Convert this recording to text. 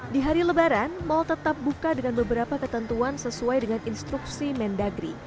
di hari lebaran mal tetap buka dengan beberapa ketentuan sesuai dengan instruksi mendagri